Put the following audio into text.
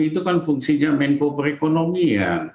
itu kan fungsinya men pubrikan ekonomi ya